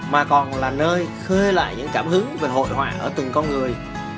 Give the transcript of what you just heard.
mà còn là nơi khơi lại những cảm hứng về hội họa ở từng con người